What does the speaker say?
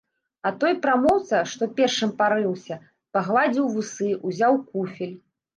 А той прамоўца, што першым парыўся, пагладзіў вусы, узяў куфель.